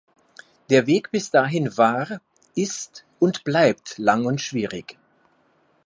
Der Weg bis dahin war, ist und bleibt lang und schwierig.